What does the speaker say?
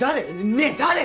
ねえ誰！？